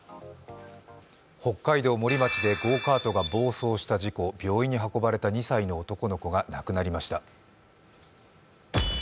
北海道森町でゴーカートが暴走した事故、病院に運ばれた２歳の男の子が亡くなりました。